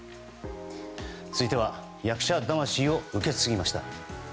続いては役者魂を受け継ぎました。